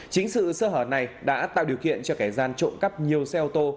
chính sự sơ hở này đã tạo điều kiện cho kẻ gian trộm cắp nhiều xe ô tô